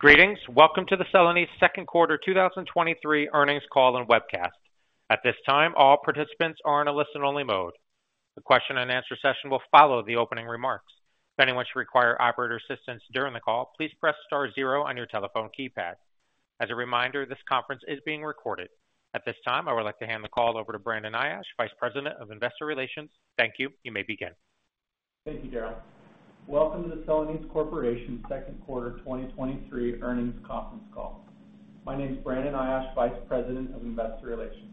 Greetings! Welcome to the Celanese Second Quarter 2023 earnings call and webcast. At this time, all participants are in a listen-only mode. The question-and-answer session will follow the opening remarks. If anyone should require operator assistance during the call, please press star zero on your telephone keypad. As a reminder, this conference is being recorded. At this time, I would like to hand the call over to Brandon Ayache, Vice President of Investor Relations. Thank you. You may begin. Thank you, Darryl. Welcome to the Celanese Corporation Second Quarter 2023 earnings conference call. My name is Brandon Ayache, Vice President of Investor Relations.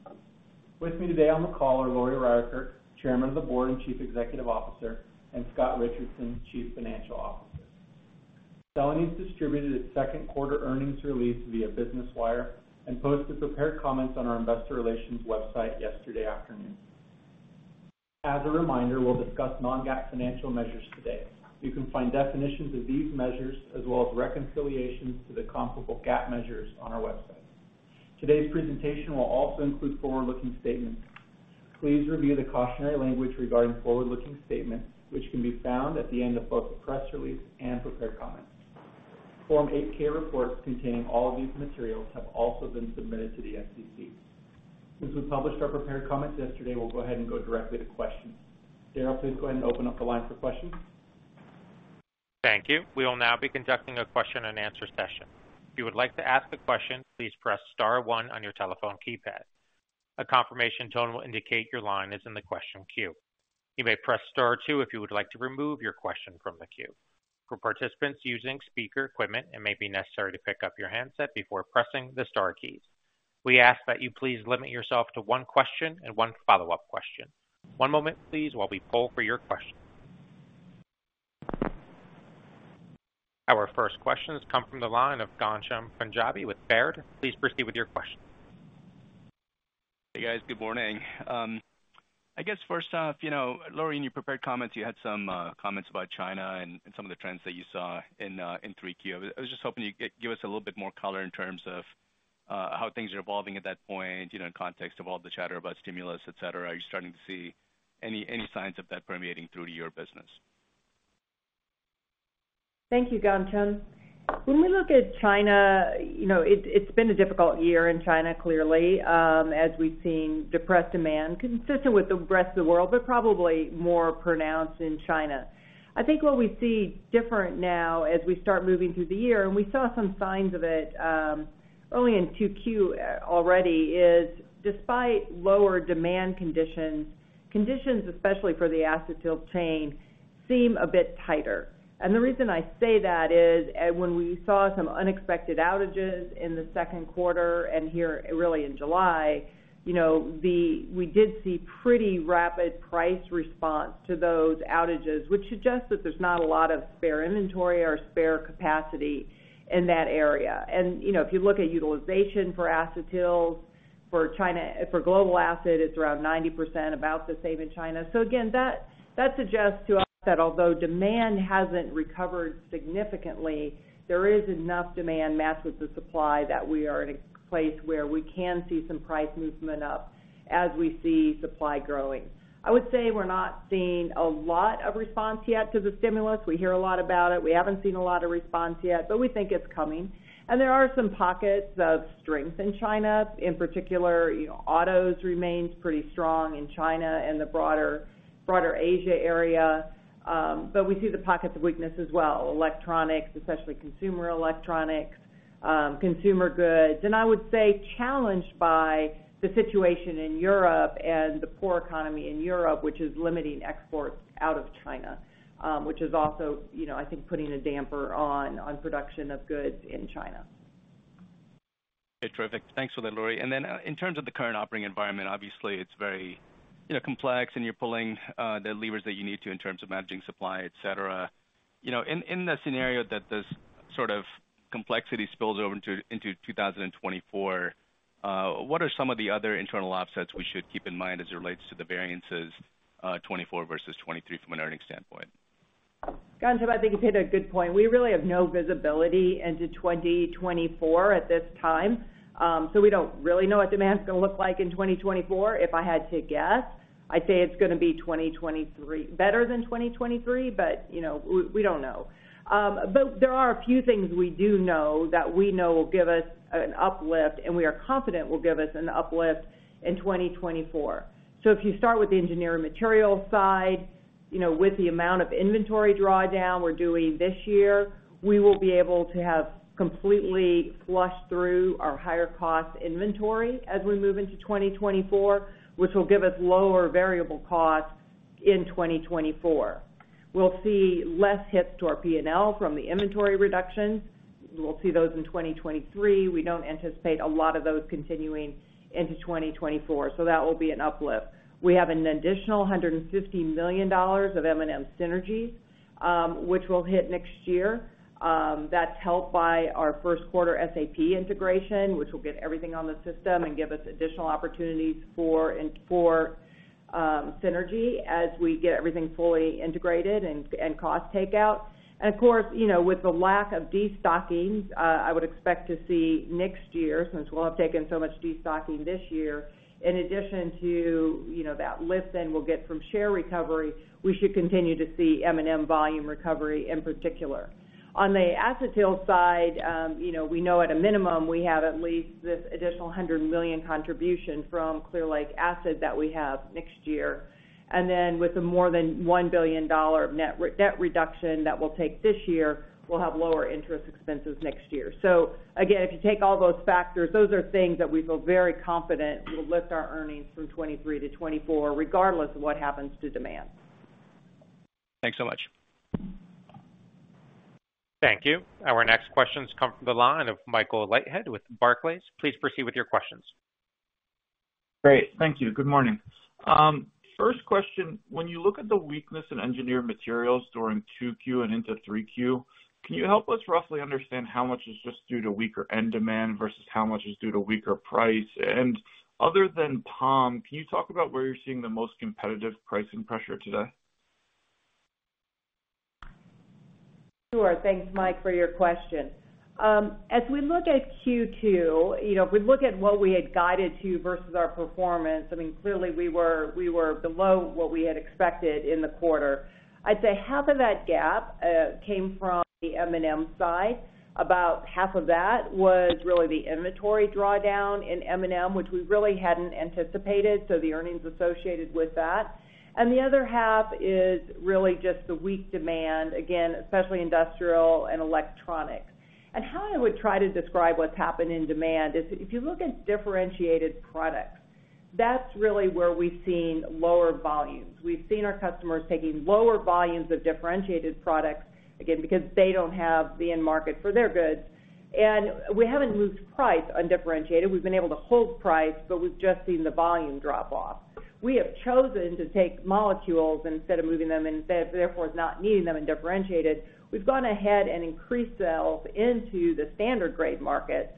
With me today on the call are Lori Ryerkerk, Chairman of the Board and Chief Executive Officer, and Scott Richardson, Chief Financial Officer. Celanese distributed its second quarter earnings release via Business Wire and posted prepared comments on our investor relations website yesterday afternoon. As a reminder, we'll discuss non-GAAP financial measures today. You can find definitions of these measures, as well as reconciliations to the comparable GAAP measures on our website. Today's presentation will also include forward-looking statements. Please review the cautionary language regarding forward-looking statements, which can be found at the end of both the press release and prepared comments. Form 8-K reports containing all of these materials have also been submitted to the SEC. Since we published our prepared comments yesterday, we'll go ahead and go directly to questions. Darryl, please go ahead and open up the line for questions. Thank you. We will now be conducting a question-and-answer session. If you would like to ask a question, please press star one on your telephone keypad. A confirmation tone will indicate your line is in the question queue. You may press star two if you would like to remove your question from the queue. For participants using speaker equipment, it may be necessary to pick up your handset before pressing the star keys. We ask that you please limit yourself to one question and one follow-up question. One moment, please, while we poll for your question. Our first questions come from the line of Ghansham Panjabi with Baird. Please proceed with your question. Hey, guys. Good morning. I guess first off, you know, Lori, in your prepared comments, you had some comments about China and some of the trends that you saw in in 3Q. I was just hoping you'd give us a little bit more color in terms of how things are evolving at that point, you know, in context of all the chatter about stimulus, et cetera. Are you starting to see any, any signs of that permeating through to your business? Thank you, Ghansham. When we look at China, you know, it, it's been a difficult year in China, clearly, as we've seen depressed demand, consistent with the rest of the world, but probably more pronounced in China. I think what we see different now as we start moving through the year, and we saw some signs of it, early in 2Q already, is despite lower demand conditions, conditions, especially for the Acetyl Chain seem a bit tighter. The reason I say that is when we saw some unexpected outages in the second quarter and here really in July, you know, we did see pretty rapid price response to those outages, which suggests that there's not a lot of spare inventory or spare capacity in that area. You know, if you look at utilization for acetyls, for China, for global acid, it's around 90%, about the same in China. Again, that, that suggests to us that although demand hasn't recovered significantly, there is enough demand matched with the supply that we are in a place where we can see some price movement up as we see supply growing. I would say we're not seeing a lot of response yet to the stimulus. We hear a lot about it. We haven't seen a lot of response yet, but we think it's coming. There are some pockets of strength in China. In particular, autos remains pretty strong in China and the broader, broader Asia area, but we see the pockets of weakness as well. Electronics, especially consumer electronics, consumer goods, and I would say challenged by the situation in Europe and the poor economy in Europe, which is limiting exports out of China, which is also, you know, I think, putting a damper on, on production of goods in China. Okay, terrific. Thanks for that, Lori. In terms of the current operating environment, obviously, it's very, you know, complex, and you're pulling the levers that you need to in terms of managing supply, et cetera. You know, in, in the scenario that this sort of complexity spills over into, into 2024, what are some of the other internal offsets we should keep in mind as it relates to the variances, 2024 versus 2023 from an earnings standpoint? Ghansham, I think you've hit a good point. We really have no visibility into 2024 at this time, so we don't really know what demand is going to look like in 2024. If I had to guess, I'd say it's gonna be 2023, better than 2023, but, you know, we, we don't know. There are a few things we do know that we know will give us an uplift, and we are confident will give us an uplift in 2024. If you start with the Engineered Materials side, you know, with the amount of inventory drawdown we're doing this year, we will be able to have completely flushed through our higher cost inventory as we move into 2024, which will give us lower variable costs in 2024. We'll see less hits to our P&L from the inventory reductions. We'll see those in 2023. We don't anticipate a lot of those continuing into 2024, so that will be an uplift. We have an additional $150 million of M&M synergies, which will hit next year. That's helped by our first quarter SAP integration, which will get everything on the system and give us additional opportunities for and for synergy as we get everything fully integrated and, and cost takeout. Of course, you know, with the lack of destockings, I would expect to see next year, since we'll have taken so much destocking this year, in addition to, you know, that lift then we'll get from share recovery, we should continue to see M&M volume recovery in particular. On the Acetyl Chain side, you know, we know at a minimum, we have at least this additional $100 million contribution from Clear Lake acid that we have next year. With the more than $1 billion of net debt reduction that we'll take this year, we'll have lower interest expenses next year. Again, if you take all those factors, those are things that we feel very confident will lift our earnings from 2023 to 2024, regardless of what happens to demand. Thanks so much. Thank you. Our next questions come from the line of Michael Leithead with Barclays. Please proceed with your questions. Great. Thank you. Good morning. First question, when you look at the weakness in Engineered Materials during 2Q and into 3Q, can you help us roughly understand how much is just due to weaker end demand versus how much is due to weaker price? Other than POM, can you talk about where you're seeing the most competitive pricing pressure today? Sure. Thanks, Mike, for your question. As we look at Q2, you know, if we look at what we had guided to versus our performance, I mean, clearly, we were, we were below what we had expected in the quarter. I'd say half of that gap came from the M&M side. About half of that was really the inventory drawdown in M&M, which we really hadn't anticipated, so the earnings associated with that. The other half is really just the weak demand, again, especially industrial and electronic. How I would try to describe what's happened in demand is if you look at differentiated products, that's really where we've seen lower volumes. We've seen our customers taking lower volumes of differentiated products, again, because they don't have the end market for their goods. We haven't moved price undifferentiated. We've been able to hold price, but we've just seen the volume drop off. We have chosen to take molecules instead of moving them and therefore not needing them undifferentiated. We've gone ahead and increased sales into the standard grade market,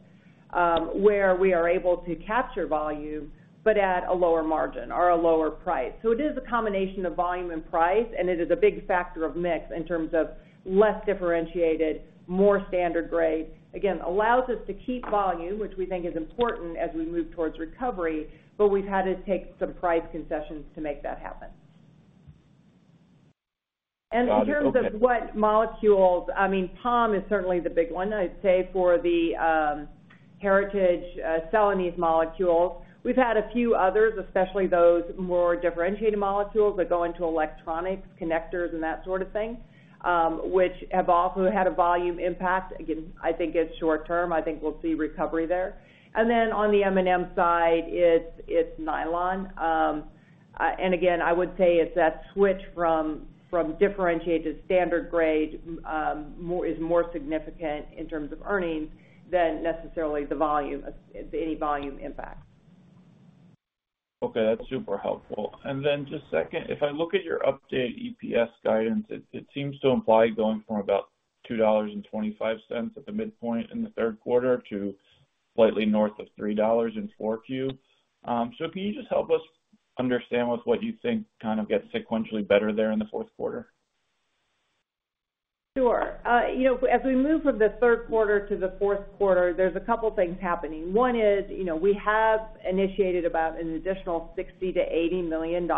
where we are able to capture volume, but at a lower margin or a lower price. So it is a combination of volume and price, and it is a big factor of mix in terms of less differentiated, more standard grade. Again, allows us to keep volume, which we think is important as we move towards recovery, but we've had to take some price concessions to make that happen. Got it. Okay. In terms of what molecules, I mean, POM is certainly the big one. I'd say for the heritage Celanese molecules, we've had a few others, especially those more differentiated molecules that go into electronics, connectors, and that sort of thing, which have also had a volume impact. Again, I think it's short term. I think we'll see recovery there. Then on the M&M side, it's nylon. Again, I would say it's that switch from differentiated standard grade, more, is more significant in terms of earnings than necessarily the volume, any volume impact. Okay, that's super helpful. Then just second, if I look at your updated EPS guidance, it, it seems to imply going from about $2.25 at the midpoint in the third quarter to slightly north of $3 in 4Q. Can you just help us understand what you think kind of gets sequentially better there in the fourth quarter? Sure. You know, as we move from the 3rd quarter to the 4th quarter, there's a couple of things happening. One is, you know, we have initiated about an additional $60 million-$80 million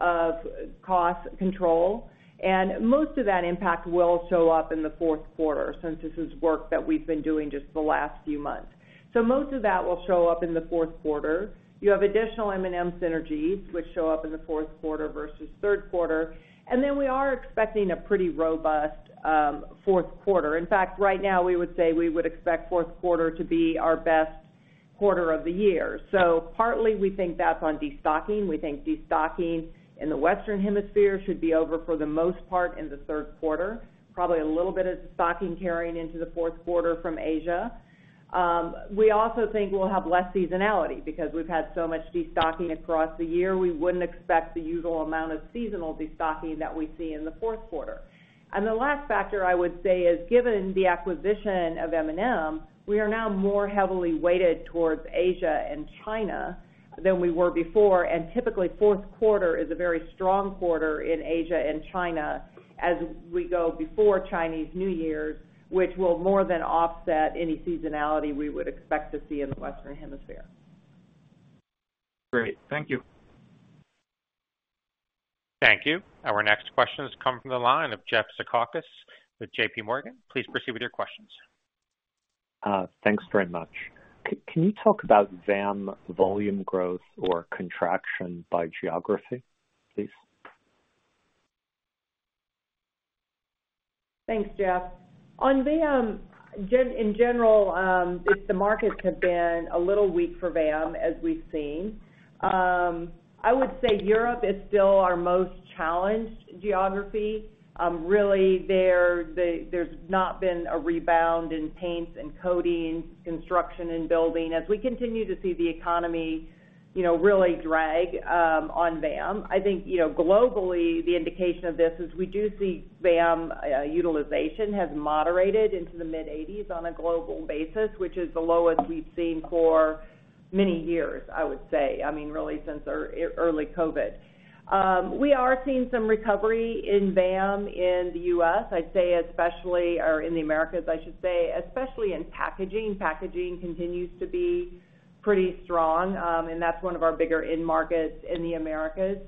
of cost control, and most of that impact will show up in the 4th quarter since this is work that we've been doing just the last few months. Most of that will show up in the 4th quarter. You have additional M&M synergies, which show up in the 4th quarter versus 3rd quarter. We are expecting a pretty robust 4th quarter. In fact, right now, we would say we would expect 4th quarter to be our best quarter of the year. Partly, we think that's on destocking. We think destocking in the Western Hemisphere should be over for the most part in the third quarter, probably a little bit of destocking carrying into the fourth quarter from Asia. We also think we'll have less seasonality because we've had so much destocking across the year, we wouldn't expect the usual amount of seasonal destocking that we see in the fourth quarter. The last factor I would say is, given the acquisition of M&M, we are now more heavily weighted towards Asia and China than we were before, and typically, fourth quarter is a very strong quarter in Asia and China as we go before Chinese New Year, which will more than offset any seasonality we would expect to see in the Western Hemisphere. Great. Thank you. Thank you. Our next question has come from the line of Jeff Zekauskas with J.P. Morgan. Please proceed with your questions. Thanks very much. Can you talk about VAM volume growth or contraction by geography, please? Thanks, Jeff. On VAM, in general, the markets have been a little weak for VAM, as we've seen. I would say Europe is still our most challenged geography. Really, there, there's not been a rebound in paints and coatings, construction and building. As we continue to see the economy, you know, really drag on VAM, I think, you know, globally, the indication of this is we do see VAM utilization has moderated into the mid-80s on a global basis, which is the lowest we've seen for many years, I would say, I mean, really, since early COVID. We are seeing some recovery in VAM in the U.S., I'd say, especially or in the Americas, I should say, especially in packaging. Packaging continues to be pretty strong, that's one of our bigger end markets in the Americas.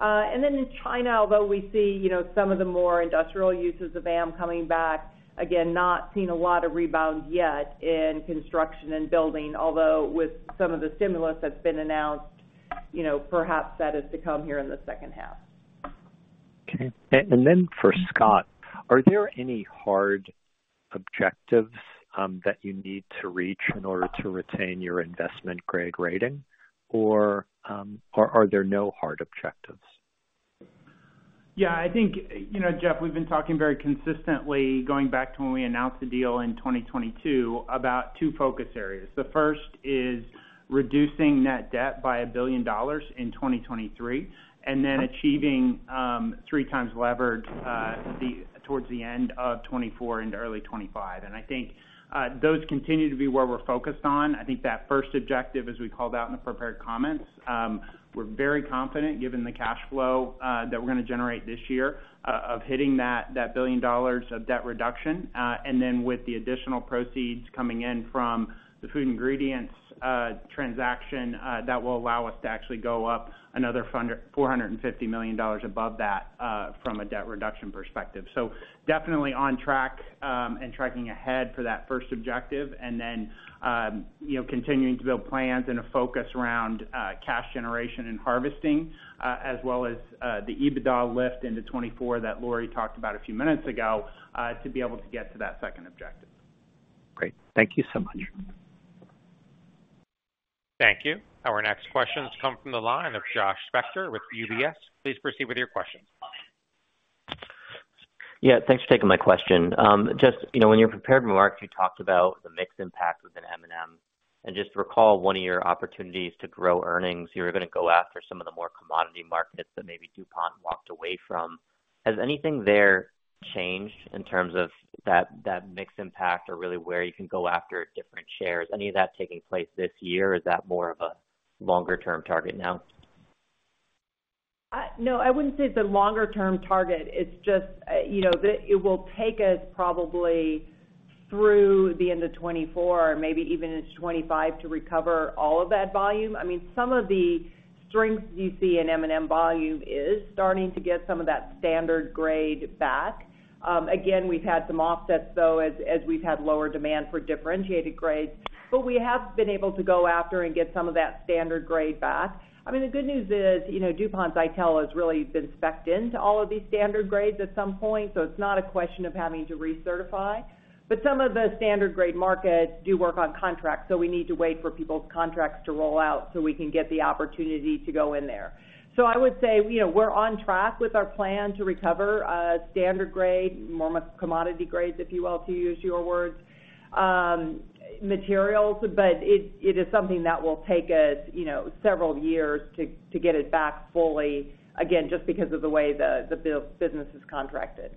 In China, although we see, you know, some of the more industrial uses of VAM coming back, again, not seen a lot of rebound yet in construction and building, although with some of the stimulus that's been announced, you know, perhaps that is to come here in the second half. Okay. Then for Scott, are there any hard objectives that you need to reach in order to retain your investment grade rating, or are there no hard objectives? Yeah, I think, you know, Jeff, we've been talking very consistently, going back to when we announced the deal in 2022, about two focus areas. The first is reducing net debt by $1 billion in 2023, then achieving 3 times levered towards the end of 2024 into early 2025. I think those continue to be where we're focused on. I think that first objective, as we called out in the prepared comments, we're very confident, given the cash flow that we're gonna generate this year, of hitting that, that $1 billion of debt reduction. Then with the additional proceeds coming in from the Food Ingredients transaction, that will allow us to actually go up another $450 million above that from a debt reduction perspective. Definitely on track, and tracking ahead for that first objective, and then, you know, continuing to build plans and a focus around cash generation and harvesting, as well as the EBITDA lift into 2024 that Lori talked about a few minutes ago, to be able to get to that second objective. Great. Thank you so much. Thank you. Our next questions come from the line of Josh Spector with UBS. Please proceed with your questions. Yeah, thanks for taking my question. Just, you know, in your prepared remarks, you talked about the mixed impact within M&M, and just to recall, one of your opportunities to grow earnings, you were gonna go after some of the more commodity markets that maybe DuPont walked away from. Has anything there changed in terms of that, that mixed impact or really where you can go after different shares? Any of that taking place this year, or is that more of a longer-term target now? No, I wouldn't say it's a longer-term target. It's just, you know, it will take us probably through the end of 2024, maybe even into 2025, to recover all of that volume. I mean, some of the strengths you see in M&M volume is starting to get some of that standard grade back. Again, we've had some offsets, though, as we've had lower demand for differentiated grades, but we have been able to go after and get some of that standard grade back. I mean, the good news is, you know, DuPont, I tell, has really been spec'd into all of these standard grades at some point, so it's not a question of having to recertify. Some of the standard grade markets do work on contract, so we need to wait for people's contracts to roll out, so we can get the opportunity to go in there. I would say, you know, we're on track with our plan to recover, standard grade, more commodity grades, if you will, to use your words, materials, but it is something that will take us, you know, several years to get it back fully, again, just because of the way the business is contracted.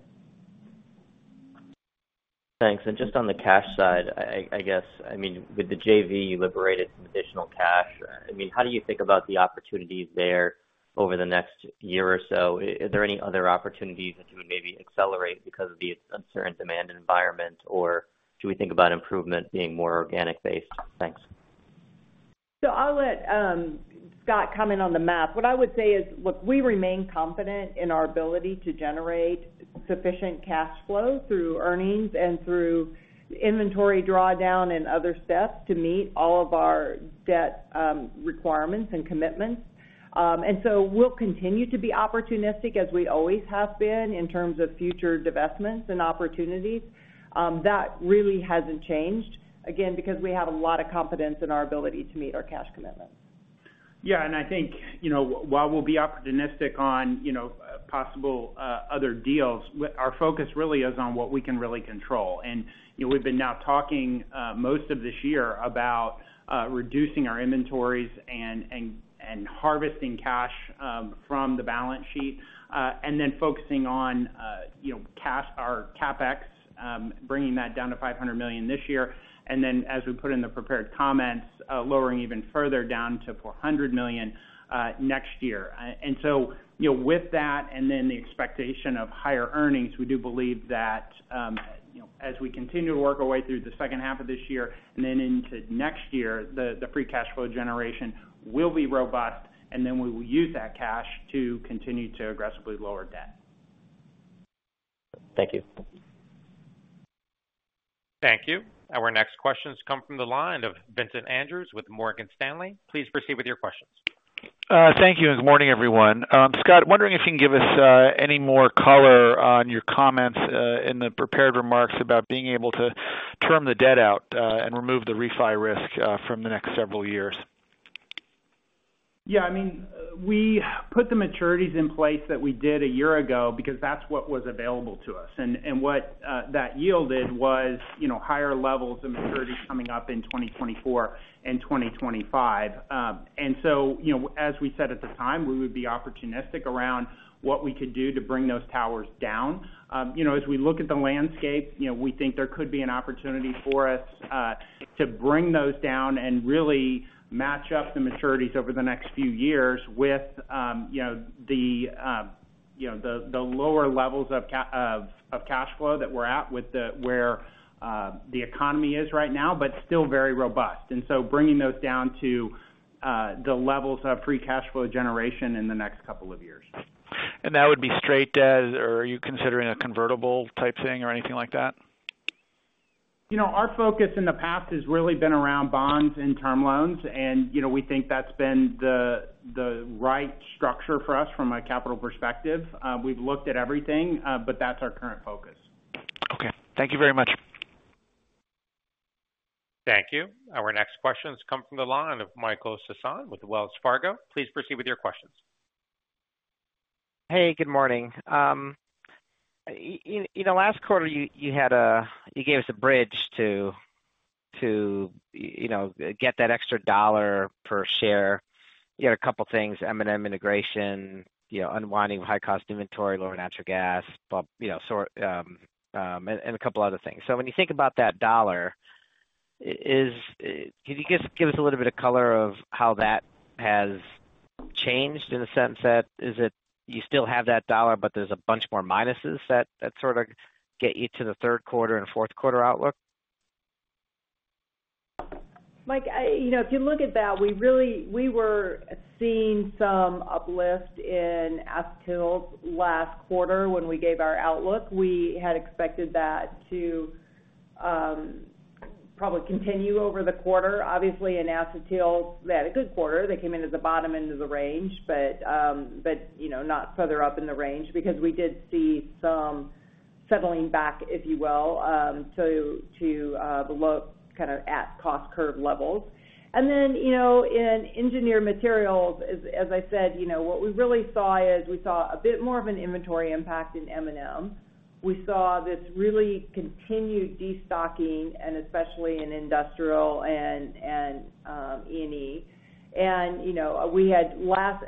Thanks. Just on the cash side, I guess, I mean, with the JV, you liberated some additional cash. I mean, how do you think about the opportunities there over the next year or so? Is there any other opportunities that you would maybe accelerate because of the uncertain demand environment, or do we think about improvement being more organic based? Thanks. I'll let Scott comment on the math. What I would say is, look, we remain confident in our ability to generate sufficient cash flow through earnings and through inventory drawdown and other steps to meet all of our debt requirements and commitments. We'll continue to be opportunistic, as we always have been, in terms of future divestments and opportunities. That really hasn't changed, again, because we have a lot of confidence in our ability to meet our cash commitments. Yeah, and I think, you know, while we'll be opportunistic on, you know, possible other deals, our focus really is on what we can really control. You know, we've been now talking most of this year about reducing our inventories and, and, and harvesting cash from the balance sheet, and then focusing on, you know, cash, our CapEx, bringing that down to $500 million this year, and then, as we put in the prepared comments, lowering even further down to $400 million next year. You know, with that and then the expectation of higher earnings, we do believe that, you know, as we continue to work our way through the second half of this year and then into next year, the, the free cash flow generation will be robust, and then we will use that cash to continue to aggressively lower debt. Thank you. Thank you. Our next questions come from the line of Vincent Andrews with Morgan Stanley. Please proceed with your questions. Thank you, and good morning, everyone. Scott, wondering if you can give us any more color on your comments in the prepared remarks about being able to term the debt out, and remove the refi risk from the next several years? Yeah, I mean, we put the maturities in place that we did a year ago because that's what was available to us. What that yielded was, you know, higher levels of maturities coming up in 2024 and 2025. You know, as we said at the time, we would be opportunistic around what we could do to bring those towers down. You know, as we look at the landscape, you know, we think there could be an opportunity for us to bring those down and really match up the maturities over the next few years with, you know, the, you know, the, the lower levels of cash flow that we're at with the, where the economy is right now, but still very robust. Bringing those down to the levels of free cash flow generation in the next couple of years. That would be straight debt, or are you considering a convertible-type thing or anything like that? You know, our focus in the past has really been around bonds and term loans, and, you know, we think that's been the, the right structure for us from a capital perspective. We've looked at everything, but that's our current focus. Okay. Thank you very much. Thank you. Our next question has come from the line of Michael Sison with Wells Fargo. Please proceed with your questions. Hey, good morning. You, you know, last quarter, you, you had you gave us a bridge to, to, you know, get that extra dollar per share. You had a couple things, M&M integration, you know, unwinding high cost inventory, lower natural gas, but, you know, so, and a couple other things. When you think about that dollar, can you just give us a little bit of color of how that has changed in the sense that, is it you still have that dollar, but there's a bunch more minuses that, that sort of get you to the third quarter and fourth quarter outlook? Mike, you know, if you look at that, we really we were seeing some uplift in Acetyl last quarter when we gave our outlook. We had expected that to probably continue over the quarter. Obviously, in Acetyl, they had a good quarter. They came in at the bottom end of the range, but, you know, not further up in the range because we did see some settling back, if you will, to the low kind of at cost curve levels. You know, in Engineered Materials, as, as I said, you know, what we really saw is we saw a bit more of an inventory impact in M&M. We saw this really continued destocking, and especially in industrial and, E&E. You know, we had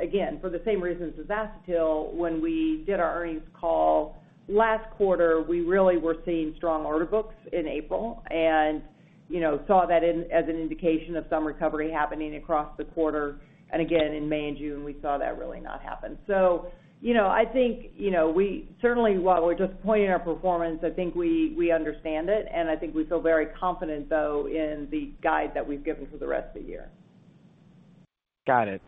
again, for the same reasons as Acetyl, when we did our earnings call last quarter, we really were seeing strong order books in April and, you know, saw that as an indication of some recovery happening across the quarter. Again, in May and June, we saw that really not happen. You know, I think, you know, we certainly, while we're disappointed in our performance, I think we, we understand it, and I think we feel very confident, though, in the guide that we've given for the rest of the year. Got it.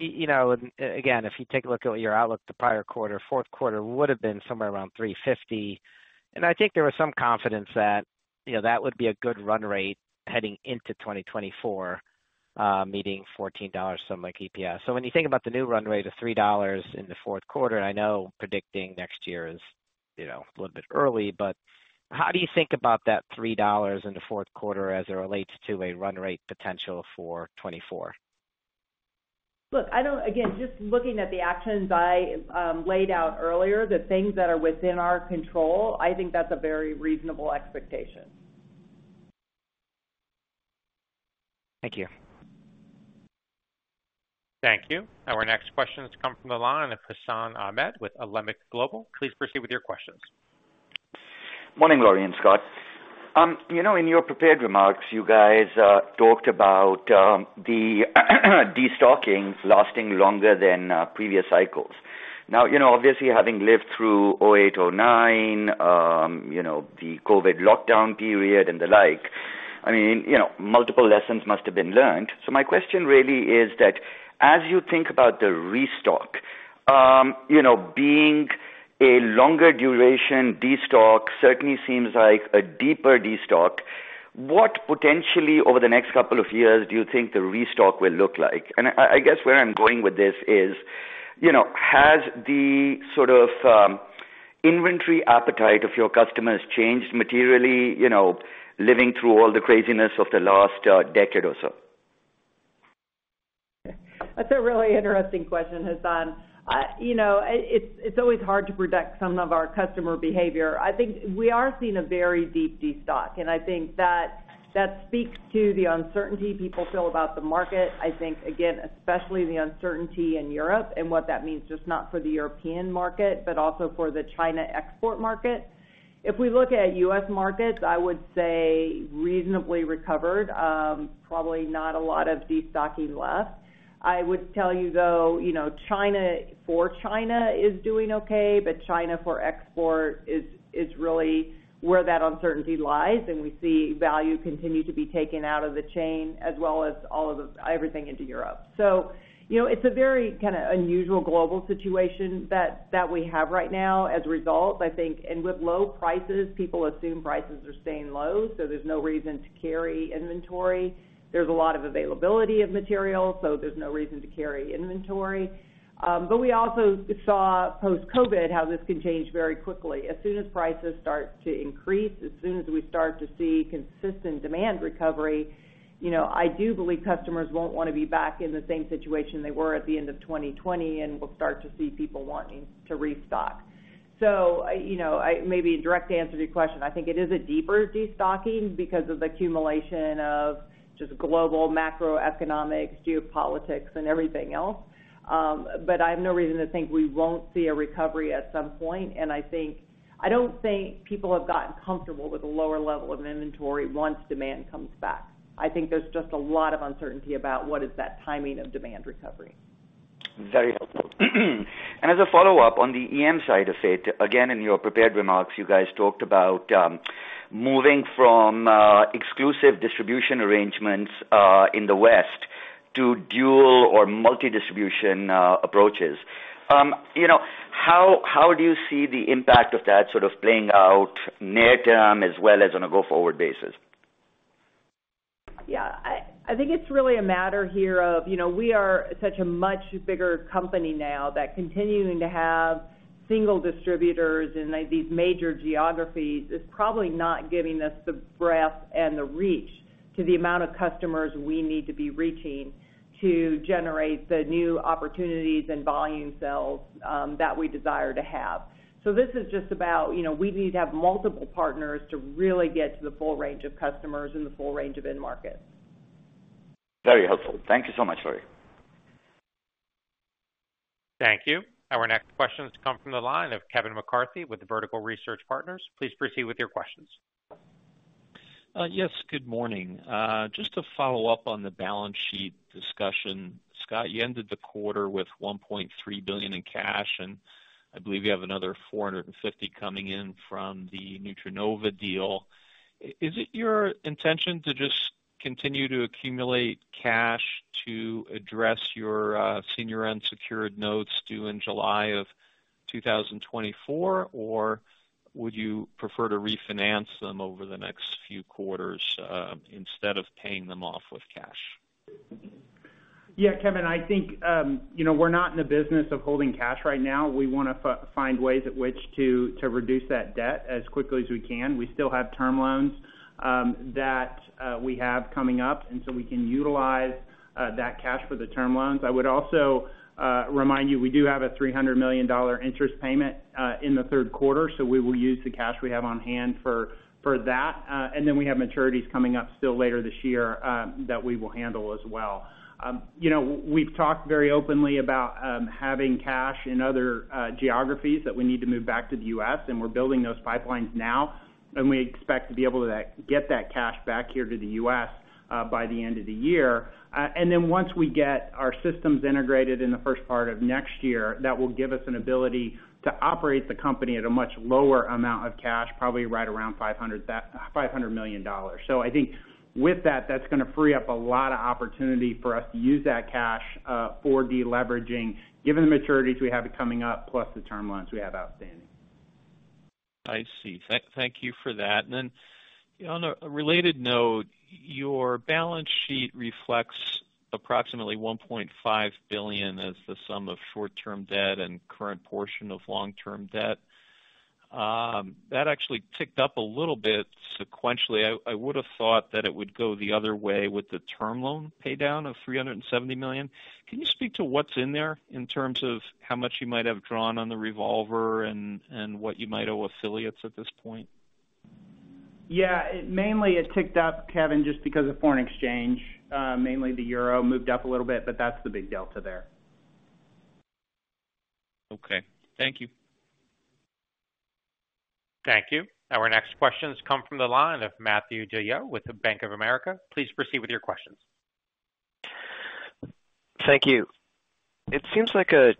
You know, again, if you take a look at your outlook, the prior quarter, fourth quarter would have been somewhere around $350. I think there was some confidence that, you know, that would be a good run rate heading into 2024, meeting $14, something like EPS. When you think about the new run rate of $3 in the fourth quarter, I know predicting next year is, you know, a little bit early, but how do you think about that $3 in the fourth quarter as it relates to a run rate potential for 2024? Look, Again, just looking at the actions I laid out earlier, the things that are within our control, I think that's a very reasonable expectation. Thank you. Thank you. Our next question has come from the line of Hassan Ahmed with Alembic Global. Please proceed with your questions. Morning, Lori and Scott. You know, in your prepared remarks, you guys talked about the destockings lasting longer than previous cycles. Now, you know, obviously, having lived through 2008, 2009, you know, the COVID lockdown period and the like, I mean, you know, multiple lessons must have been learned. So my question really is that, as you think about the restock, you know, being a longer duration destock certainly seems like a deeper destock, what potentially over the next couple of years, do you think the restock will look like? And I, I guess where I'm going with this is, you know, has the sort of, inventory appetite of your customers changed materially, you know, living through all the craziness of the last decade or so? That's a really interesting question, Hassan. You know, it's, it's always hard to predict some of our customer behavior. I think we are seeing a very deep destock, and I think that, that speaks to the uncertainty people feel about the market. I think, again, especially the uncertainty in Europe and what that means, just not for the European market, but also for the China export market. If we look at U.S. markets, I would say reasonably recovered, probably not a lot of destocking left. I would tell you, though, you know, China, for China is doing okay, but China for export is, is really where that uncertainty lies, and we see value continue to be taken out of the chain, as well as everything into Europe. You know, it's a very kind of unusual global situation that, that we have right now. As a result, I think, and with low prices, people assume prices are staying low, so there's no reason to carry inventory. There's a lot of availability of material, so there's no reason to carry inventory. We also saw post-COVID, how this can change very quickly. As soon as prices start to increase, as soon as we start to see consistent demand recovery, you know, I do believe customers won't want to be back in the same situation they were at the end of 2020, and we'll start to see people wanting to restock. I, you know, I maybe a direct answer to your question, I think it is a deeper destocking because of the accumulation of just global macroeconomics, geopolitics, and everything else. But I have no reason to think we won't see a recovery at some point, and I think-- I don't think people have gotten comfortable with a lower level of inventory once demand comes back. I think there's just a lot of uncertainty about what is that timing of demand recovery. Very helpful. And as a follow-up, on the EM side of it, again, in your prepared remarks, you guys talked about moving from exclusive distribution arrangements in the West to dual or multi-distribution approaches. You know, how do you see the impact of that sort of playing out near term as well as on a go-forward basis? Yeah, I, I think it's really a matter here of, you know, we are such a much bigger company now that continuing to have single distributors in, like, these major geographies is probably not giving us the breadth and the reach to the amount of customers we need to be reaching to generate the new opportunities and volume sales, that we desire to have. This is just about, you know, we need to have multiple partners to really get to the full range of customers and the full range of end markets. Very helpful. Thank you so much, Lori. Thank you. Our next questions come from the line of Kevin McCarthy with the Vertical Research Partners. Please proceed with your questions. Yes, good morning. Just to follow up on the balance sheet discussion. Scott, you ended the quarter with $1.3 billion in cash, and I believe you have another $450 million coming in from the Nutrinova deal. Is it your intention to just continue to accumulate cash to address your senior unsecured notes due in July of 2024? Would you prefer to refinance them over the next few quarters instead of paying them off with cash? Yeah, Kevin, I think, you know, we're not in the business of holding cash right now. We wanna find ways at which to, to reduce that debt as quickly as we can. We still have term loans that we have coming up, and so we can utilize that cash for the term loans. I would also remind you, we do have a $300 million interest payment in the third quarter, so we will use the cash we have on hand for, for that. Then we have maturities coming up still later this year that we will handle as well. You know, we've talked very openly about having cash in other geographies that we need to move back to the U.S., and we're building those pipelines now, and we expect to be able to get that cash back here to the U.S. by the end of the year. Then once we get our systems integrated in the first part of next year, that will give us an ability to operate the company at a much lower amount of cash, probably right around $500 million. I think with that, that's gonna free up a lot of opportunity for us to use that cash for deleveraging, given the maturities we have coming up, plus the term loans we have outstanding. I see. Thank you for that. Then, you know, on a related note, your balance sheet reflects approximately $1.5 billion as the sum of short-term debt and current portion of long-term debt. That actually ticked up a little bit sequentially. I would have thought that it would go the other way with the term loan paydown of $370 million. Can you speak to what's in there in terms of how much you might have drawn on the revolver and what you might owe affiliates at this point? Yeah, it mainly, it ticked up, Kevin, just because of foreign exchange. Mainly the Euro moved up a little bit, but that's the big delta there. Okay. Thank you. Thank you. Our next questions come from the line of Matthew DeYoe with the Bank of America. Please proceed with your questions. Thank you. It seems like a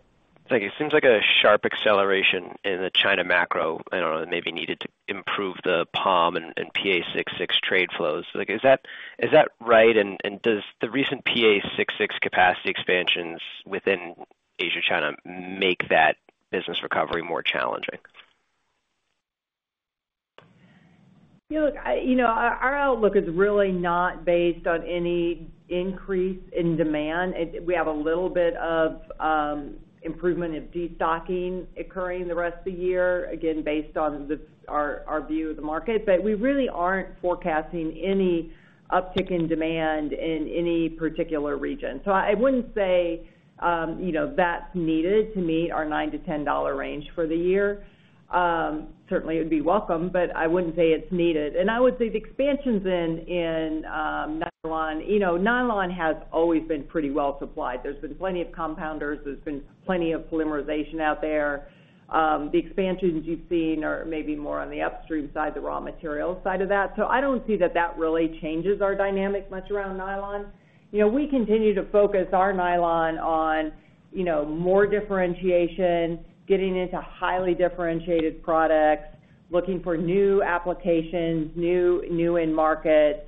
sharp acceleration in the China macro, I don't know, maybe needed to improve the POM and PA66 trade flows. Like, is that, is that right? Does the recent PA66 capacity expansions within Asia, China make that business recovery more challenging? Yeah, look, you know, our, our outlook is really not based on any increase in demand. We have a little bit of improvement in destocking occurring the rest of the year, again, based on the, our, our view of the market. We really aren't forecasting any uptick in demand in any particular region. I wouldn't say, you know, that's needed to meet our $9-$10 range for the year. Certainly, it would be welcome, but I wouldn't say it's needed. I would say the expansions in, in nylon, you know, nylon has always been pretty well supplied. There's been plenty of compounders, there's been plenty of polymerization out there. The expansions you've seen are maybe more on the upstream side, the raw material side of that. I don't see that that really changes our dynamic much around nylon. You know, we continue to focus our nylon on, you know, more differentiation, getting into highly differentiated products, looking for new applications, new, new end markets,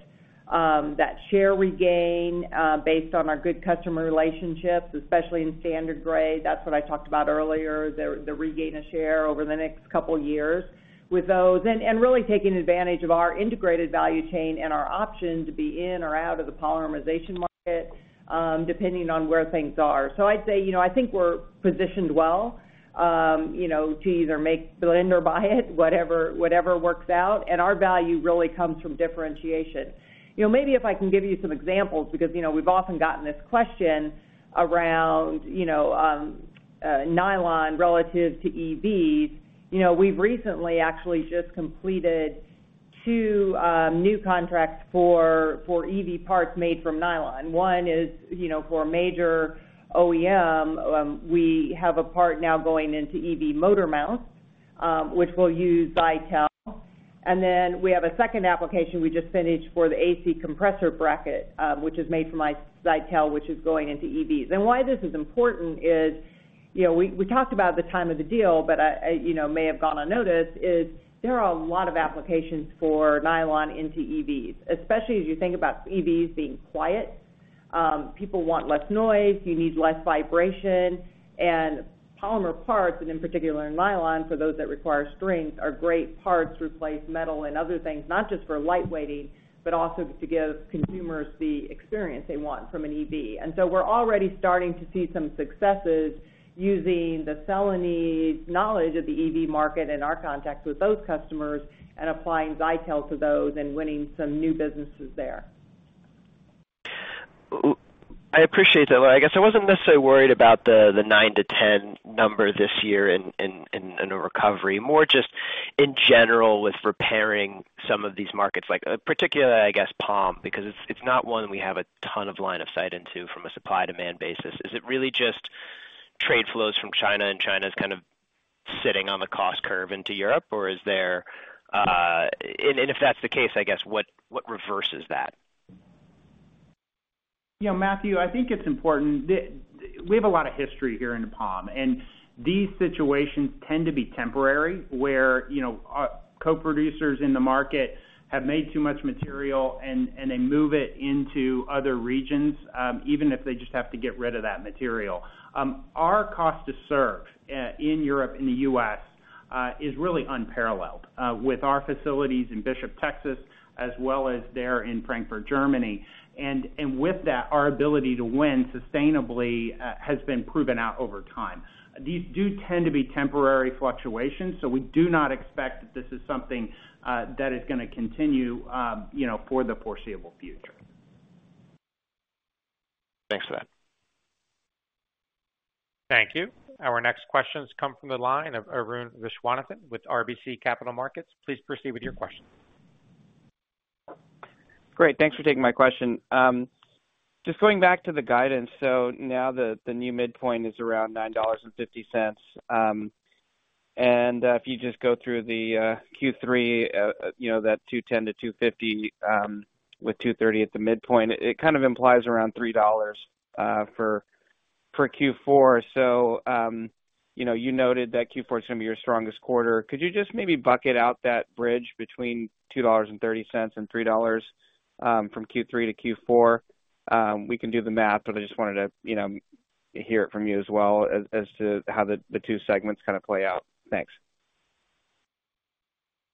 that share regain, based on our good customer relationships, especially in standard grade. That's what I talked about earlier, the, the regaining a share over the next couple of years with those, and, and really taking advantage of our integrated value chain and our option to be in or out of the polymerization market, depending on where things are. I'd say, you know, I think we're positioned well, you know, to either make, build or buy it, whatever, whatever works out, and our value really comes from differentiation. You know, maybe if I can give you some examples, because, you know, we've often gotten this question around, you know, nylon relative to EVs. You know, we've recently actually just completed 2 new contracts for, for EV parts made from nylon. One is, you know, for a major OEM, we have a part now going into EV motor mounts, which will use Zytel. Then we have a second application we just finished for the AC compressor bracket, which is made from Zytel, which is going into EVs. Why this is important is, you know, we, we talked about the time of the deal, but, you know, may have gone unnoticed, is there are a lot of applications for nylon into EVs, especially as you think about EVs being quiet. People want less noise, you need less vibration, and polymer parts, and in particular, in nylon, for those that require strength, are great parts to replace metal and other things, not just for lightweighting, but also to give consumers the experience they want from an EV. We're already starting to see some successes using the Celanese knowledge of the EV market and our contacts with those customers, and applying Zytel to those and winning some new businesses there. I appreciate that. Well, I guess I wasn't necessarily worried about the, the 9 to 10 number this year in, in, in, in a recovery. More just, in general, with repairing some of these markets, like, particularly, I guess, POM, because it's, it's not one we have a ton of line of sight into from a supply-demand basis. Is it really just trade flows from China, and China is kind of sitting on the cost curve into Europe, or is there? If that's the case, I guess, what, what reverses that? You know, Matthew, I think it's important that we have a lot of history here in POM, and these situations tend to be temporary, where, you know, our co-producers in the market have made too much material, and, and they move it into other regions, even if they just have to get rid of that material. Our cost to serve in Europe and the U.S. is really unparalleled with our facilities in Bishop, Texas, as well as there in Frankfurt, Germany. With that, our ability to win sustainably has been proven out over time. These do tend to be temporary fluctuations, so we do not expect that this is something that is gonna continue, you know, for the foreseeable future. Thanks for that. Thank you. Our next question comes from the line of Arun Viswanathan with RBC Capital Markets. Please proceed with your question. Great, thanks for taking my question. Just going back to the guidance, now the new midpoint is around $9.50. And if you just go through the Q3, you know, that $210-$250, with $230 at the midpoint, it kind of implies around $3 for Q4. You know, you noted that Q4 is gonna be your strongest quarter. Could you just maybe bucket out that bridge between $2.30 and $3 from Q3 to Q4? We can do the math, but I just wanted to, you know, hear it from you as well as to how the two segments kind of play out. Thanks.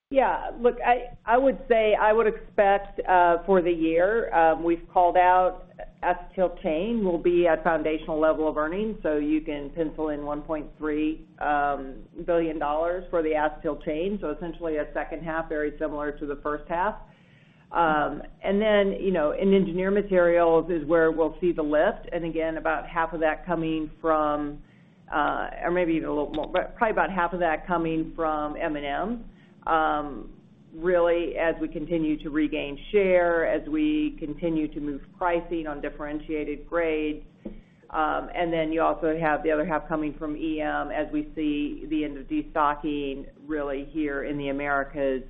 Yeah, look, I, I would say, I would expect for the year, we've called out Acetyl Chain will be at foundational level of earnings, so you can pencil in $1.3 billion for the Acetyl Chain. A second half, very similar to the first half. Then, you know, in Engineered Materials is where we'll see the lift. About half of that coming from, or maybe even a little more, but probably about half of that coming from M&M. Really, as we continue to regain share, as we continue to move pricing on differentiated grades. You also have the other half coming from EM, as we see the end of destocking, really here in the Americas,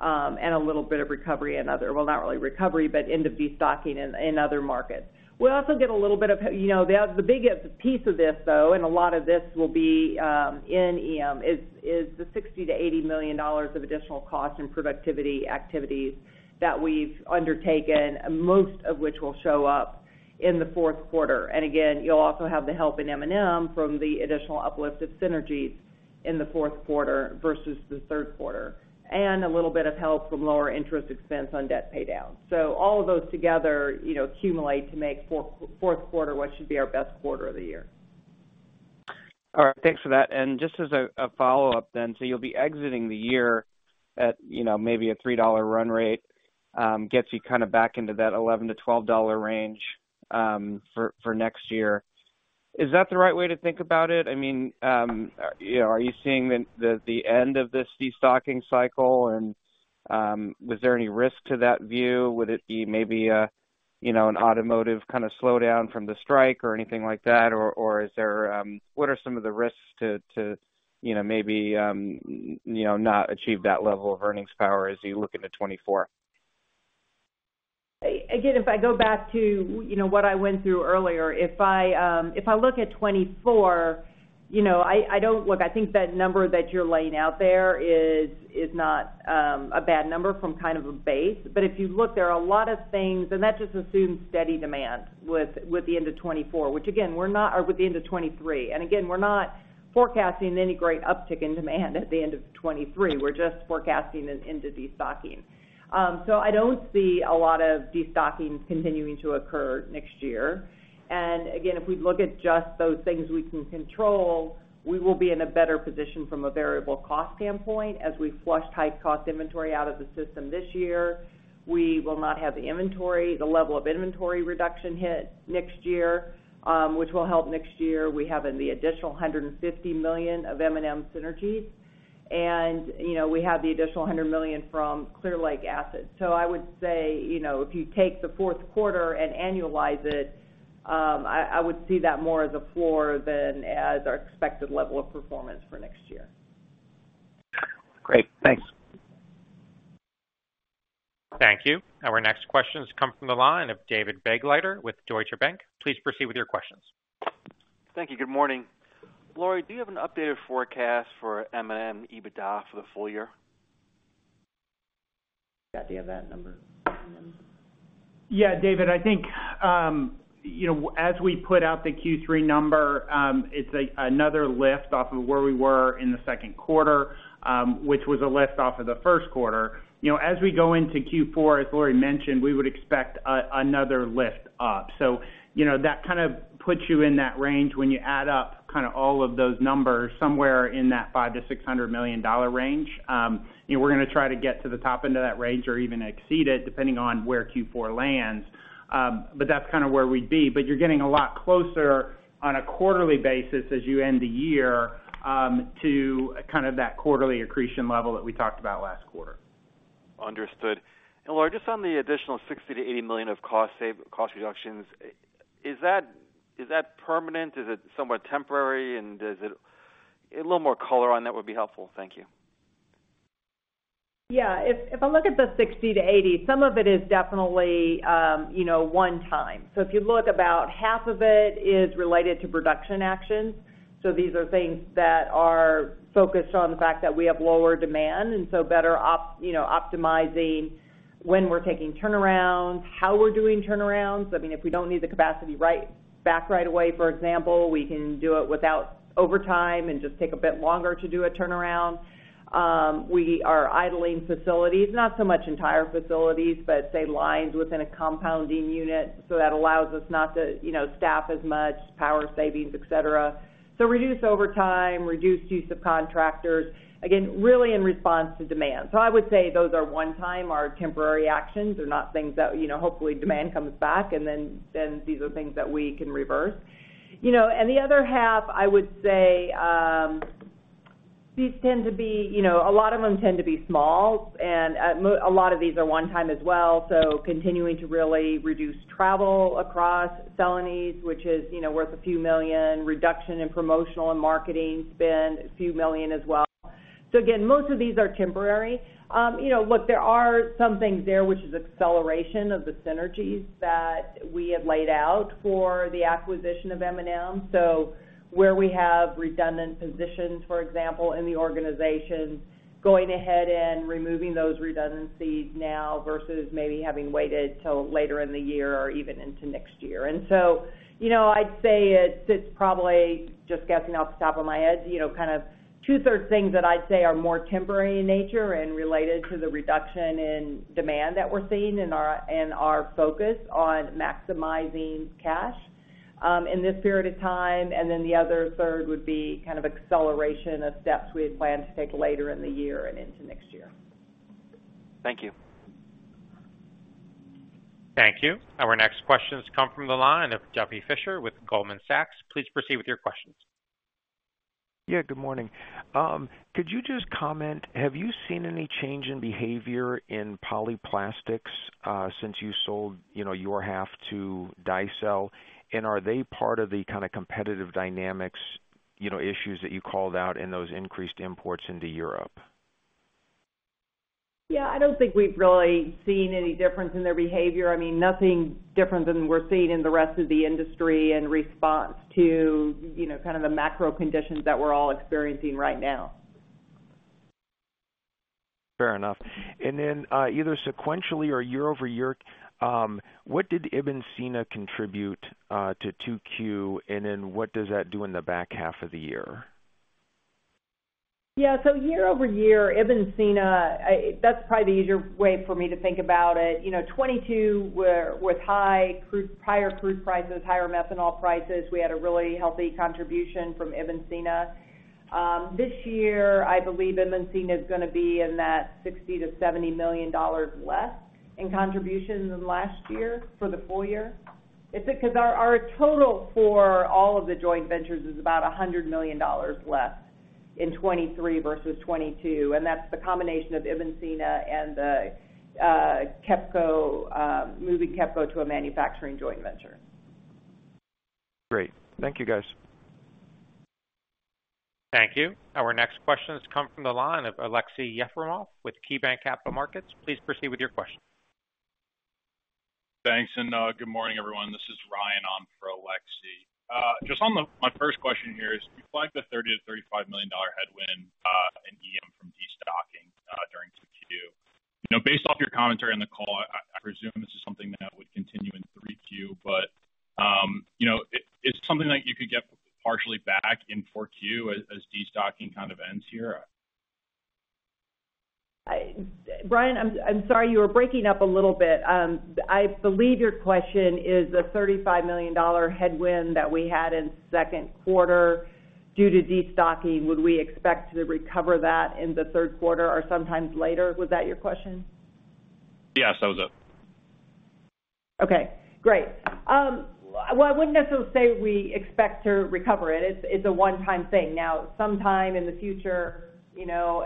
and a little bit of recovery in other... Well, not really recovery, but end of destocking in other markets. We'll also get a little bit of, you know, the, the biggest piece of this, though, and a lot of this will be in EM, is the $60 million-$80 million of additional cost and productivity activities that we've undertaken, most of which will show up in the fourth quarter. Again, you'll also have the help in M&M from the additional uplift of synergies in the fourth quarter versus the third quarter, and a little bit of help from lower interest expense on debt paydown. All of those together, you know, accumulate to make fourth quarter, what should be our best quarter of the year. All right, thanks for that. Just as a, a follow-up then, you'll be exiting the year at, you know, maybe a $3 run rate, gets you kinda back into that $11-$12 range for, for next year. Is that the right way to think about it? I mean, you know, are you seeing the, the, the end of this destocking cycle? Was there any risk to that view? Would it be maybe a, you know, an automotive kinda slowdown from the strike or anything like that? Is there, what are some of the risks to, to, you know, maybe, you know, not achieve that level of earnings power as you look into 2024? Again, if I go back to, you know, what I went through earlier, if I look at 2024, you know, I don't. Look, I think that number that you're laying out there is not a bad number from kind of a base. If you look, there are a lot of things, and that just assumes steady demand with, with the end of 2024, which again, we're not, or with the end of 2023. Again, we're not forecasting any great uptick in demand at the end of 2023, we're just forecasting an end of destocking. I don't see a lot of destocking continuing to occur next year. Again, if we look at just those things we can control, we will be in a better position from a variable cost standpoint, as we flushed high-cost inventory out of the system this year. We will not have the inventory, the level of inventory reduction hit next year, which will help next year. We have in the additional $150 million of M&M synergies, and, you know, we have the additional $100 million from Clear Lake assets. I would say, you know, if you take the fourth quarter and annualize it, I, I would see that more as a floor than as our expected level of performance for next year. Great. Thanks. Thank you. Our next question has come from the line of David Begleiter with Deutsche Bank. Please proceed with your questions. Thank you. Good morning. Lori, do you have an updated forecast for M&M EBITDA for the full year? Got the event number? Yeah, David, I think, you know, as we put out the Q3 number, it's another lift off of where we were in the second quarter, which was a lift off of the first quarter. You know, as we go into Q4, as Lori mentioned, we would expect another lift up. You know, that kind of puts you in that range when you add up kind of all of those numbers, somewhere in that $500 million-$600 million range. You know, we're gonna try to get to the top end of that range or even exceed it, depending on where Q4 lands. That's kind of where we'd be. You're getting a lot closer on a quarterly basis as you end the year, to kind of that quarterly accretion level that we talked about last quarter. Understood. Lori, just on the additional $60 million-$80 million of cost reductions, is that permanent? Is it somewhat temporary? A little more color on that would be helpful. Thank you. Yeah, if, if I look at the 60-80, some of it is definitely, you know, 1 time. If you look, about 50% of it is related to production actions. These are things that are focused on the fact that we have lower demand, and so better you know, optimizing when we're taking turnarounds, how we're doing turnarounds. I mean, if we don't need the capacity right, back right away, for example, we can do it without overtime and just take a bit longer to do a turnaround. We are idling facilities, not so much entire facilities, but say, lines within a compounding unit. That allows us not to, you know, staff as much, power savings, et cetera. Reduced overtime, reduced use of contractors, again, really in response to demand. I would say those are 1 time, are temporary actions. They're not things that, you know, hopefully demand comes back, and then these are things that we can reverse. You know, the other half, I would say, these tend to be, you know, a lot of them tend to be small, and a lot of these are one time as well, continuing to really reduce travel across Celanese, which is, you know, worth a few million, reduction in promotional and marketing spend, a few million as well. Again, most of these are temporary. You know, look, there are some things there, which is acceleration of the synergies that we had laid out for the acquisition of M&M. Where we have redundant positions, for example, in the organization, going ahead and removing those redundancies now versus maybe having waited till later in the year or even into next year. You know, I'd say it's, it's probably just guessing off the top of my head, you know, kind of two-thirds things that I'd say are more temporary in nature and related to the reduction in demand that we're seeing in our, in our focus on maximizing cash in this period of time. The other third would be kind of acceleration of steps we had planned to take later in the year and into next year. Thank you. Thank you. Our next question has come from the line of Duffy Fischer with Goldman Sachs. Please proceed with your questions. Yeah, good morning. Could you just comment, have you seen any change in behavior in Polyplastics, since you sold, you know, your half to Daicel? Are they part of the kind of competitive dynamics, you know, issues that you called out in those increased imports into Europe? Yeah, I don't think we've really seen any difference in their behavior. I mean, nothing different than we're seeing in the rest of the industry in response to, you know, kind of the macro conditions that we're all experiencing right now. Fair enough. Either sequentially or year-over-year, what did Ibn Sina contribute to 2Q, and what does that do in the back half of the year? Yeah, so year-over-year, Ibn Sina, that's probably the easier way for me to think about it. You know, 2022 was high, higher crude prices, higher methanol prices. We had a really healthy contribution from Ibn Sina. This year, I believe Ibn Sina is gonna be in that $60 million-$70 million less in contribution than last year for the full year. It's because our, our total for all of the joint ventures is about $100 million less in 2023 versus 2022, and that's the combination of Ibn Sina and the KEPCO, moving KEPCO to a manufacturing joint venture. Great. Thank you, guys. Thank you. Our next question has come from the line of Aleksey Yefremov with KeyBanc Capital Markets. Please proceed with your question. Thanks, and good morning, everyone. This is Ryan on for Aleksey. Just on the... My first question here is, you flagged the $30 million-$35 million headwind in EM from destocking during 2Q. You know, based off your commentary on the call, I, I presume this is something that would continue in 3Q, but, you know, it, is something that you could get partially back in 4Q as, as destocking kind of ends here? I- Ryan, I'm, I'm sorry, you were breaking up a little bit. I believe your question is the $35 million headwind that we had in second quarter, due to destocking, would we expect to recover that in the third quarter or sometimes later? Was that your question? Yes, that was it. Okay, great. Well, I wouldn't necessarily say we expect to recover it. It's a one-time thing. Sometime in the future, you know,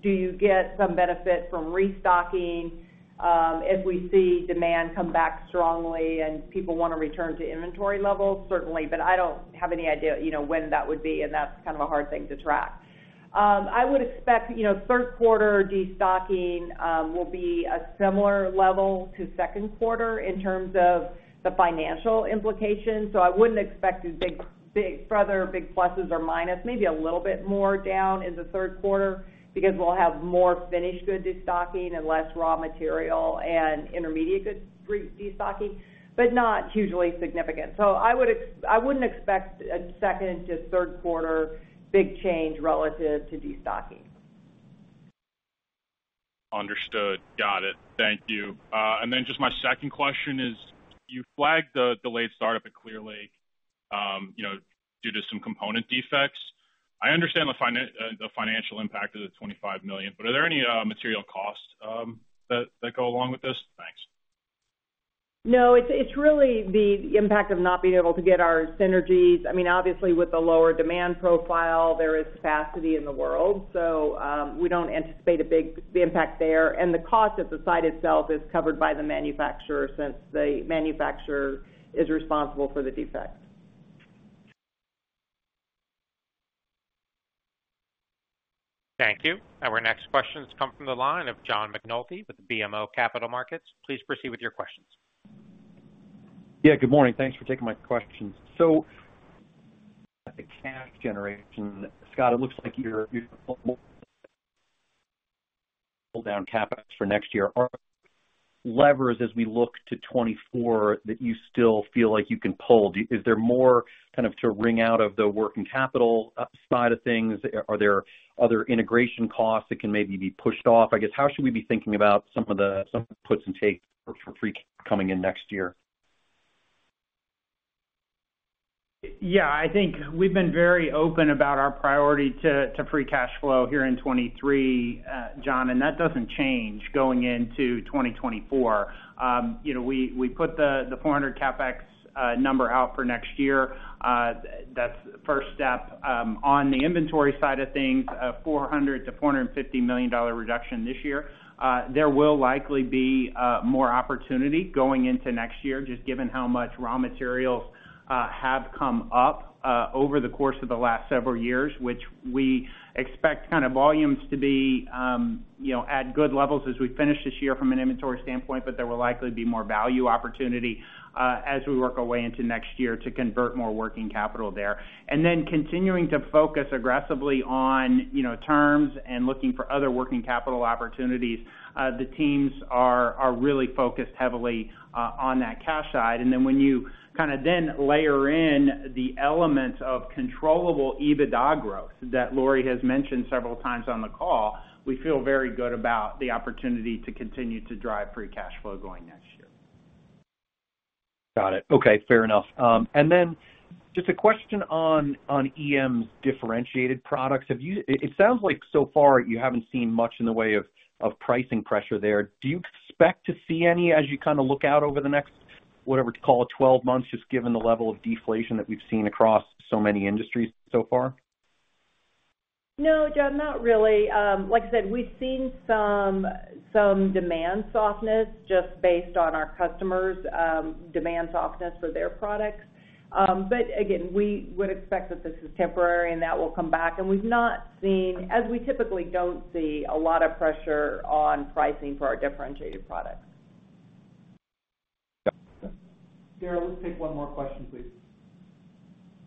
do you get some benefit from restocking, as we see demand come back strongly and people wanna return to inventory levels? Certainly. I don't have any idea, you know, when that would be, and that's kind of a hard thing to track. I would expect, you know, third quarter destocking will be a similar level to second quarter in terms of the financial implications. I wouldn't expect a further big pluses or minus, maybe a little bit more down in the third quarter because we'll have more finished goods destocking and less raw material and intermediate goods re-destocking, but not hugely significant. I wouldn't expect a 2nd to 3rd quarter big change relative to destocking. Understood. Got it. Thank you. Just my second question is: you flagged the delayed start up at Clear Lake, you know, due to some component defects. I understand the financial impact of the $25 million, but are there any material costs that go along with this? Thanks. No, it's, it's really the impact of not being able to get our synergies. I mean, obviously, with the lower demand profile, there is capacity in the world, so, we don't anticipate a big impact there. The cost of the site itself is covered by the manufacturer, since the manufacturer is responsible for the defect. Thank you. Our next question has come from the line of John McNulty with BMO Capital Markets. Please proceed with your questions. Yeah, good morning. Thanks for taking my questions. The cash generation, Scott, it looks like you're, pull down CapEx for 2024. Are levers as we look to 2024 that you still feel like you can pull? Is there more kind of to wring out of the working capital side of things? Are there other integration costs that can maybe be pushed off? I guess, how should we be thinking about some of the, some puts and takes for free coming in 2024? Yeah, I think we've been very open about our priority to, to free cash flow here in 2023, John, and that doesn't change going into 2024. You know, we, we put the $400 CapEx number out for next year. That's the first step on the inventory side of things, a $400 million-$450 million reduction this year. There will likely be more opportunity going into next year, just given how much raw materials have come up over the course of the last several years, which we expect kind of volumes to be, you know, at good levels as we finish this year from an inventory standpoint, but there will likely be more value opportunity as we work our way into next year to convert more working capital there. Continuing to focus aggressively on, you know, terms and looking for other working capital opportunities, the teams are, are really focused heavily, on that cash side. When you kind of then layer in the elements of controllable EBITDA growth that Lori has mentioned several times on the call, we feel very good about the opportunity to continue to drive free cash flow going next year. Got it. Okay, fair enough. Then just a question on, on EM's differentiated products. It sounds like so far you haven't seen much in the way of, of pricing pressure there. Do you expect to see any as you kind of look out over the next, whatever to call it, 12 months, just given the level of deflation that we've seen across so many industries so far? No, John, not really. like I said, we've seen some, some demand softness just based on our customers', demand softness for their products. Again, we would expect that this is temporary, and that will come back. We've not seen, as we typically don't see, a lot of pressure on pricing for our differentiated products. Got it. Darryl, let's take one more question, please.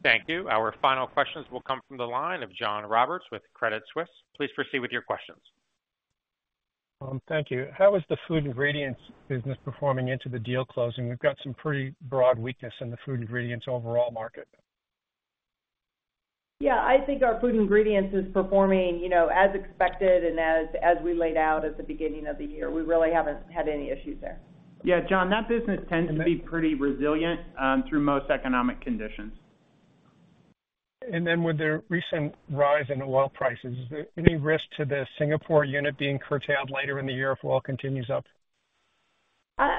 Thank you. Our final questions will come from the line of John Roberts with Credit Suisse. Please proceed with your questions. Thank you. How is the Food Ingredients business performing into the deal closing? We've got some pretty broad weakness in the Food Ingredients overall market. Yeah, I think our Food Ingredients is performing, you know, as expected and as, as we laid out at the beginning of the year. We really haven't had any issues there. Yeah, John, that business tends to be pretty resilient, through most economic conditions. Then with the recent rise in oil prices, is there any risk to the Singapore unit being curtailed later in the year if oil continues up?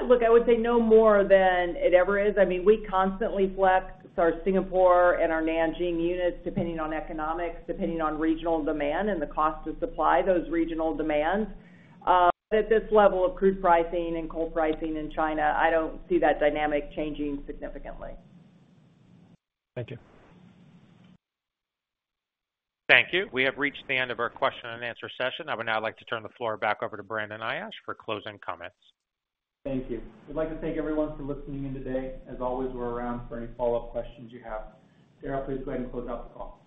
Look, I would say no more than it ever is. I mean, we constantly flex our Singapore and our Nanjing units, depending on economics, depending on regional demand and the cost to supply those regional demands. At this level of crude pricing and coal pricing in China, I don't see that dynamic changing significantly. Thank you. Thank you. We have reached the end of our question and answer session. I would now like to turn the floor back over to Brandon Ayache for closing comments. Thank you. We'd like to thank everyone for listening in today. As always, we're around for any follow-up questions you have. Darryl, please go ahead and close out the call.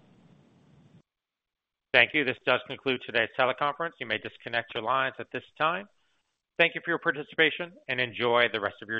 Thank you. This does conclude today's teleconference. You may disconnect your lines at this time. Thank you for your participation, and enjoy the rest of your day.